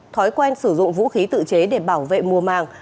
thói quen sử dụng vũ khí tự chế để bảo vệ mùa màng